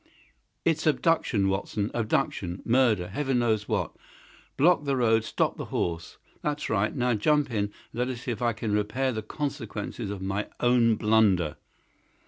It's abduction, Watson—abduction! Murder! Heaven knows what! Block the road! Stop the horse! That's right. Now, jump in, and let us see if I can repair the consequences of my own blunder."